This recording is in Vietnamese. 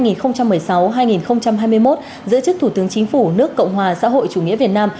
giữ chức thủ tướng chính phủ nước cộng hòa xã hội chủ nghĩa việt nam